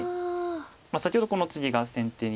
先ほどこのツギが先手に。